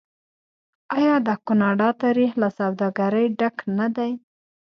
آیا د کاناډا تاریخ له سوداګرۍ ډک نه دی؟